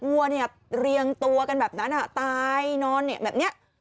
วัวเนี่ยเรียงตัวกันแบบนั้นอ่ะตายนอนเนี่ยแบบเนี้ย